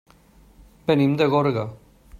Venim de Gorga.